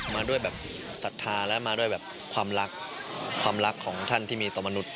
มาด้วยแบบศรัทธาและมาด้วยแบบความรักความรักของท่านที่มีต่อมนุษย